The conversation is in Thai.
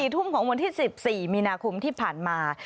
ทุ่มของวันที่๑๔มีนาคมที่ผ่านมา